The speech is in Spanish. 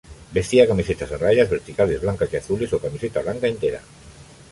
Vestía camiseta a rayas verticales blancas y azules o camiseta blanca entera.